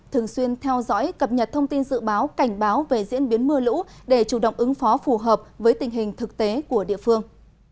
thường xuyên theo dõi cập nhật thông tin dự báo cảnh báo về diễn biến mưa lũ để chủ động ứng phó phù hợp với tình hình thực tế của địa phương